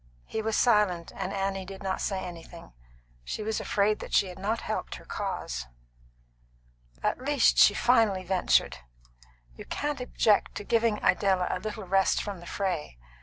He was silent, and Annie did not say anything. She was afraid that she had not helped her cause. "At least," she finally ventured, "you can't object to giving Idella a little rest from the fray.